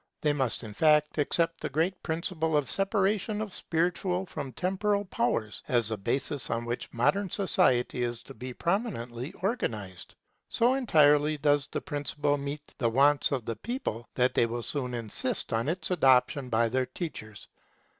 They must, in fact, accept the great principle of separation of spiritual from temporal power, as the basis on which modern society is to be prominently organized. So entirely does the principle meet the wants of the people, that they will soon insist on its adoption by their teachers.